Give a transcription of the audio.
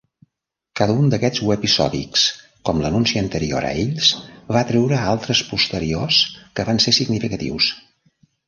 Cada un d'aquests webisòdics, com l'anunci anterior a ells, va atreure altres posteriors que van ser significatius..